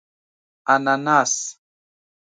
🍍 انناس